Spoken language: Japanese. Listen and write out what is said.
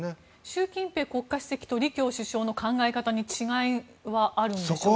習近平国家主席と李強首相の考え方に違いはあるんですか？